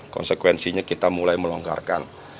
konsekuensinya kita mulai melonggarkan